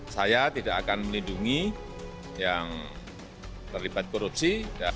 saya tidak akan melindungi yang terlibat korupsi